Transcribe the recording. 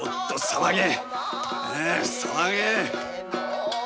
騒げ！